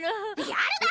やるな！